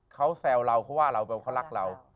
เค้าแซวเราเค้าว่าเราแบบเค้ารักเรา